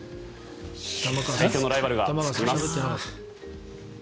最強のライバルがいます。